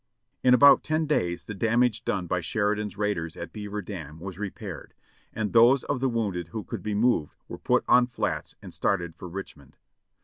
In about ten days the damage done by Sheridan's raiders at Beaver Dam was repaired, and those of the wounded who could be moved were put on flats and started for Richmond.